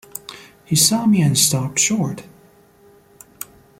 He saw me and stopped short.